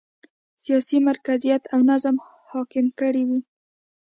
سیاسي مرکزیت او نظم حاکم کړی و.